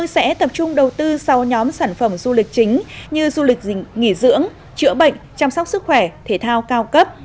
sẽ tập trung đầu tư sau nhóm sản phẩm du lịch chính như du lịch nghỉ dưỡng chữa bệnh chăm sóc sức khỏe thể thao cao cấp